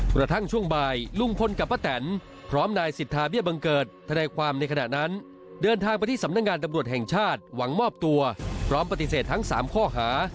กระทั่งช่วงบ่ายลุงพลกับป้าแตนพร้อมนายสิทธาเบี้ยบังเกิดทนายความในขณะนั้นเดินทางไปที่สำนักงานตำรวจแห่งชาติหวังมอบตัวพร้อมปฏิเสธทั้ง๓ข้อหา